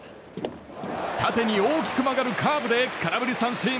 縦に大きく曲がるカーブで空振り三振。